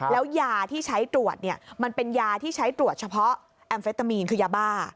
แล้วยาที่ใช้ตรวจเนี่ยมันเป็นยาที่ใช้ตรวจเฉพาะแอมเฟตามีนคือยาบ้า